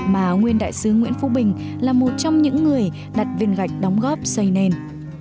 mà nguyên đại sứ nguyễn phú bình là một trong những người đặt viên gạch đóng góp xây nên